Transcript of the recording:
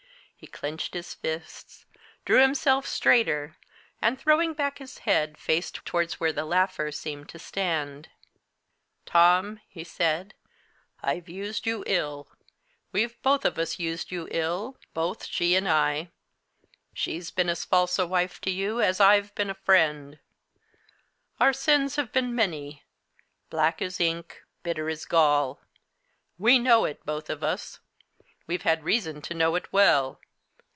He clenched his fists, drew himself straighter, and, throwing back his head, faced towards where the laughter seemed to stand. "Tom," he said, "I've used you ill. We've both of us used you ill, both she and I she's been as false a wife to you as I've been friend. Our sins have been many black as ink, bitter as gall. We know it, both of us. We've had reason to know it well.